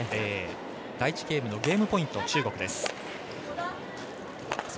第１ゲームのゲームポイント、中国です。